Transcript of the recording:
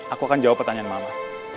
aku akan jawab pertanyaan mama